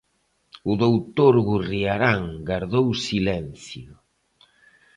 O doutor Gurriarán gardou silencio.